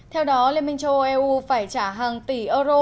theo đó liên minh châu âu eu phải trả hàng tỷ euro